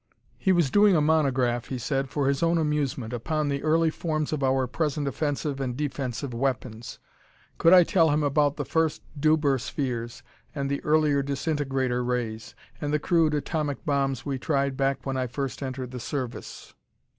He was doing a monograph, he said, for his own amusement, upon the early forms of our present offensive and defensive weapons. Could I tell him about the first Deuber spheres and the earlier disintegrator rays and the crude atomic bombs we tried back when I first entered the Service?